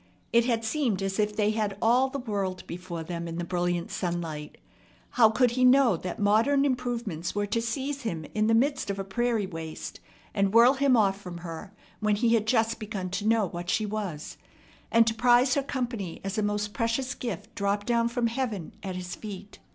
It had seemed as if they had all the world before them in the brilliant sunlight. How could he know that modern improvements were to seize him in the midst of a prairie waste, and whirl him off from her when he had just begun to know what she was, and to prize her company as a most precious gift dropped down from heaven at his feet?